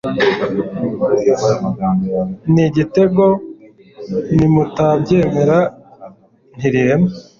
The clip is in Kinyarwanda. Ni Igitego nimutabyemera ntirirema.